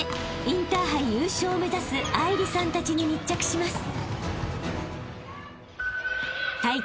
インターハイ優勝を目指す愛梨さんたちに密着します］